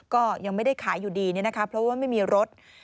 ก็ยังไม่ได้ขายอยู่ดีเนี่ยนะคะเพราะว่าไม่มีรถ